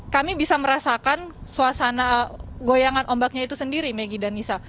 kami bisa merasakan suasana goyangan ombaknya itu sendiri megi dan nisa